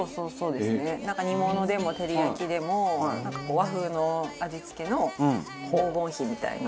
煮物でも照り焼きでもなんかこう和風の味付けの黄金比みたいな。